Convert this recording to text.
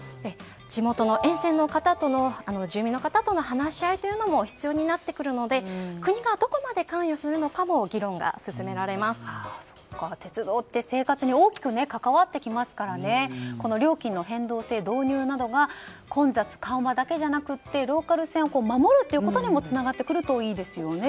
地元の沿線の住民の方との話し合いも必要になってくるので国がどこまで関与するのかも鉄道って生活に大きく関わってきますから料金の変動制導入などが混雑緩和だけじゃなくてローカル線を守ることにもつながってくるといいですね。